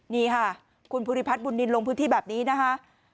นี่ค่ะคุณภูริพัฒนบุญนินลงพื้นที่แบบนี้นะคะ